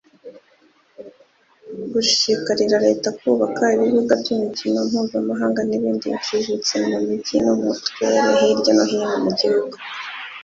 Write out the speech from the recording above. gushishikariza leta kubaka ibibuga by'imikino mpuzamahanga n'ibindi biciriritse mu migi no mu turere hirya no hino mu gihugu